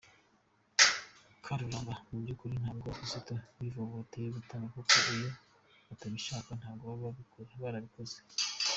Karuranga: Mu by’ukuri ntabwo abakirisitu bivovoteye gutanga kuko iyo batabishaka ntabwo baba barabikoze.